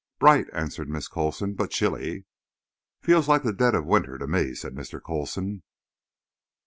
"Bright," answered Miss Coulson, "but chilly." "Feels like the dead of winter to me," said Mr. Coulson.